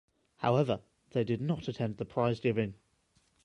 However, they did not attend the prize giving.